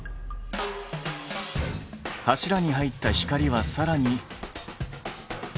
柱に入った光はさらに。